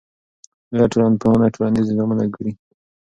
لویه ټولنپوهنه ټولنیز نظامونه ګوري.